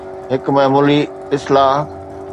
هڪ معمولي اصلاح.